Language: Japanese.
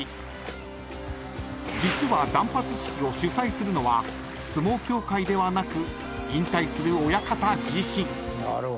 ［実は断髪式を主催するのは相撲協会ではなく引退する親方自身］